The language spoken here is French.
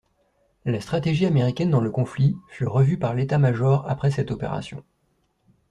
La stratégie américaine dans le conflit fut revue par l'État-major après cette opération.